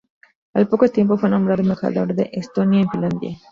Al poco tiempo fue nombrado embajador de Estonia en Finlandia.